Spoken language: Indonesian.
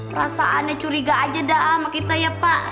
perasaannya curiga aja dah sama kita ya pak